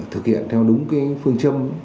thực hiện theo đúng phương châm